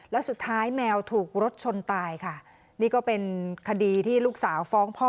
แล้วสุดท้ายแมวถูกรถชนตายค่ะนี่ก็เป็นคดีที่ลูกสาวฟ้องพ่อ